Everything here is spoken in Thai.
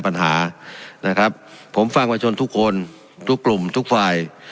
ปัญหานะครับผมฟังประชนทุกคนทุกกลุ่มทุกฝ่าย